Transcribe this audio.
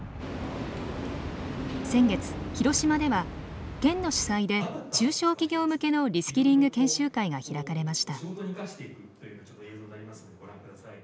先月広島では県の主催で中小企業向けのリスキリング研修会が開かれました。